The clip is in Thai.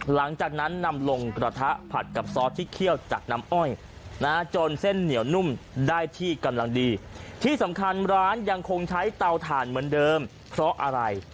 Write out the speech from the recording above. หลังจากนั้นนำลงกระทะผัดกับซอสที่เคี่ยวจากน้ำอ้อย